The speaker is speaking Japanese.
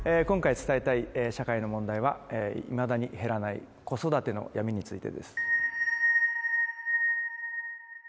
今回伝えたい社会の問題はいまだに減らない子育ての闇についてです